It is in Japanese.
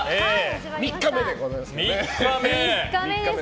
３日目でございます。